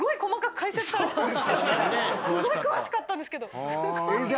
すごい詳しかったですけど。